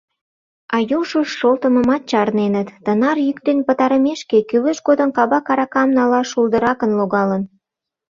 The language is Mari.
А южышт шолтымымат чарненыт: тынар йӱктен пытарымешке, кӱлеш годым кабак аракам налаш шулдыракын логалын.